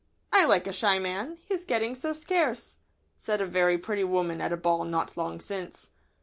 "I like a shy man. He's getting so scarce," said a very pretty woman at a ball not long since.